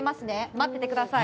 待っててください。